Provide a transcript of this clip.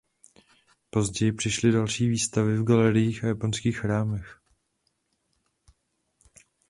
Později přišly další výstavy v galeriích a japonských chrámech.